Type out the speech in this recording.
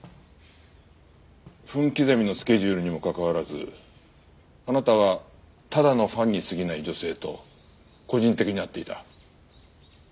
分刻みのスケジュールにもかかわらずあなたはただのファンにすぎない女性と個人的に会っていた。